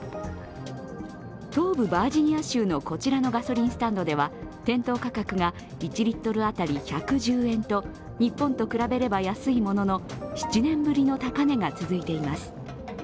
東部バージニア州のこちらのガソリンスタンドでは、店頭価格が１リットル当たり１１０円と日本と比べれば安いものの、７年ぶりの高値が続いています。